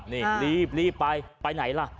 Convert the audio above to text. นี่รีบไปไปไหนล่ะ